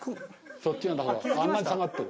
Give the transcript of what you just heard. そっちがだからあんなに下がってる。